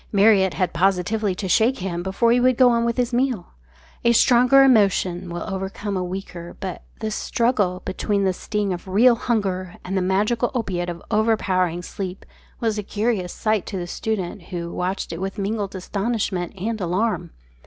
Marriott had positively to shake him before he would go on with his meal. A stronger emotion will overcome a weaker, but this struggle between the sting of real hunger and the magical opiate of overpowering sleep was a curious sight to the student, who watched it with mingled astonishment and alarm.